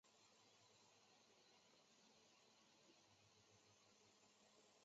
该物种的模式产地在台湾基隆。